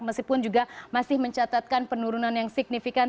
meskipun juga masih mencatatkan penurunan yang signifikan